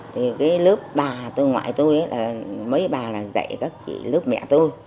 thì cái lớp bà tôi ngoại tôi là mấy bà là dạy các chị lớp mẹ tôi